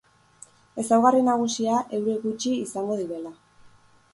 Ezaugarri nagusia, euri gutxi izango direla.